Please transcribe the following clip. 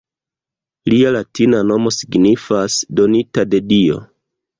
Lia latina nomo signifas “donita de dio“.